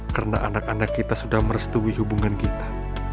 karena anak anak kita sudah merestui hubungan kita